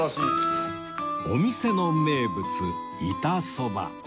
お店の名物板そば